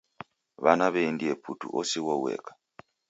W'ana w'aendie putu, osighwa ueka.